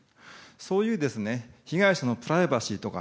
そういう被害者のプライバシーとか